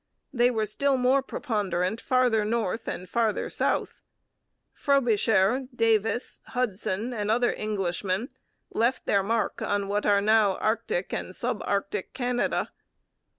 They were still more preponderant farther north and farther south. Frobisher, Davis, Hudson, and other Englishmen left their mark on what are now Arctic and sub Arctic Canada.